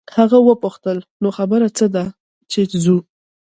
هغې وپوښتل نو خبره څه ده چې ځو.